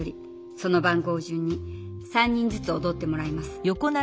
その番号じゅんに３人ずつおどってもらいます。